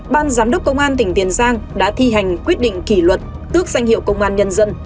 ban giám đốc công an tỉnh tiền giang đã thi hành quyết định kỷ luật tước danh hiệu công an nhân dân